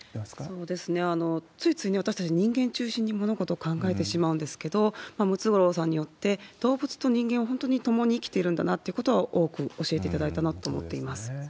そうですね、ついつい私たち、人間中心に物事を考えてしまうんですけど、ムツゴロウさんによって、動物と人間は本当に共に生きてるんだなということを多く教えていただいたなと思っています。